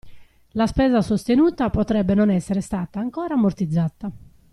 La spesa sostenuta potrebbe non essere stata ancora ammortizzata.